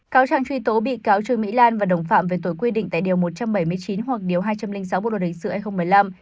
cáo trang truy tố bị cáo chương mỹ lan và đồng phạm về tội quyết định tại điều một trăm bảy mươi chín hoặc điều hai trăm linh sáu bộ luật hình sự a một mươi năm